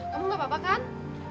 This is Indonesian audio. kamu gak apa apa kan